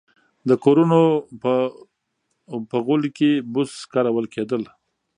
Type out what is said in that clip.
د کورونو په غولي کې بوس کارول کېدل.